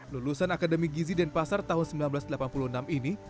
lulusan akademi gizi denpasar tahun seribu sembilan ratus delapan puluh enam ini